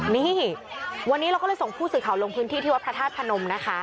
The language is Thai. นี่วันนี้เราก็เลยส่งผู้สื่อข่าวลงพื้นที่ที่วัดพระธาตุพนมนะคะ